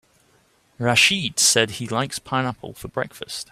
Rachid said he likes pineapple for breakfast.